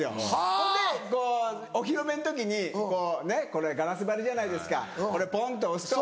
ほんでお披露目の時に「これガラス張りじゃないですかこれポンと押すと」。